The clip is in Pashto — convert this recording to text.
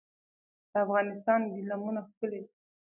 د افغانستان ګلیمونه ښکلي دي